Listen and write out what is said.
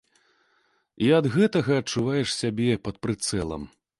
І ад гэтага адчуваеш сябе пад прыцэлам.